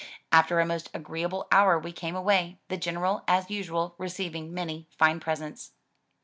After a most agreeable hour we came away, the General as usual receiving many fine presents.